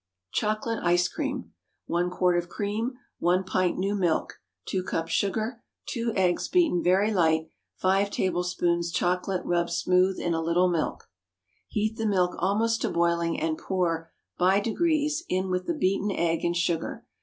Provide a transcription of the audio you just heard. CHOCOLATE ICE CREAM. ✠ 1 quart of cream. 1 pint new milk. 2 cups sugar. 2 eggs beaten very light. 5 tablespoonfuls chocolate rubbed smooth in a little milk. Heat the milk almost to boiling, and pour, by degrees, in with the beaten egg and sugar.